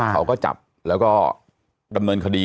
เขาก็จับแล้วก็ดำเนินคดี